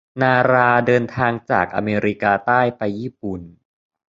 นาราเดินทางจากอเมริกาใต้ไปญี่ปุ่น